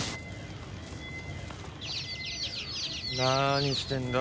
何してんだ？